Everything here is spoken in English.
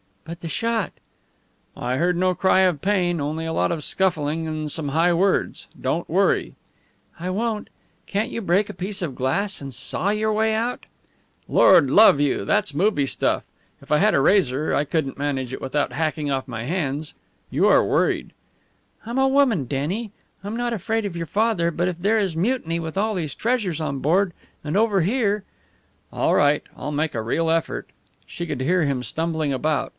"But the shot!" "I heard no cry of pain, only a lot of scuffling and some high words. Don't worry." "I won't. Can't you break a piece of glass and saw your way out?" "Lord love you, that's movie stuff! If I had a razor, I couldn't manage it without hacking off my hands. You are worried!" "I'm a woman, Denny. I'm not afraid of your father; but if there is mutiny, with all these treasures on board and over here " "All right. I'll make a real effort." She could hear him stumbling about.